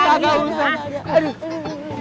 aduh aduh aduh